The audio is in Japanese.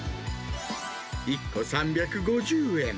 １個３５０円。